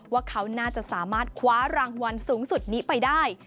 ว่าเขาน่าจะสามารถคว้ารางวัลสูงสุดนี้ไปได้